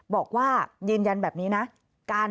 บอกว่ายืนยันแบบนี้นะ